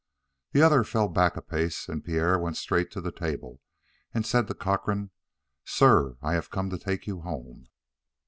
The other fell back a pace, and Pierre went straight to the table and said to Cochrane: "Sir, I have come to take you home."